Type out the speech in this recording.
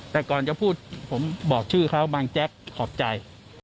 แต่ก่อนจะพูดผมบอกชื่อเขาบางแจ๊กขอบใจ